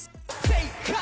正解？